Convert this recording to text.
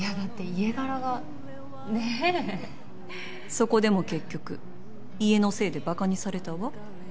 そこでも結局家のせいでバカにされたわ。